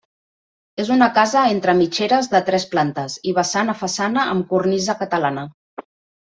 És una casa entre mitgeres de tres plantes i vessant a façana amb cornisa catalana.